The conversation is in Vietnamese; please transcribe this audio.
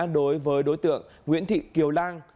đối với đối tượng nguyễn thị kiều lan